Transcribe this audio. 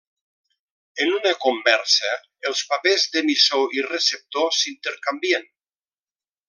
En una conversa els papers d'emissor i receptor s'intercanvien.